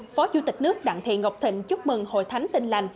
phó chủ tịch nước đặng thị ngọc thịnh chúc mừng hội thánh tin lành